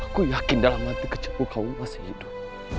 aku yakin dalam hati kecil kamu masih hidup